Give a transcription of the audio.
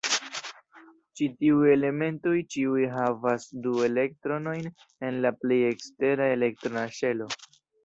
Ĉi-tiuj elementoj ĉiuj havas du elektronojn en la plej ekstera elektrona ŝelo.